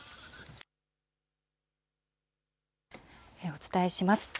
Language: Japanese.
お伝えします。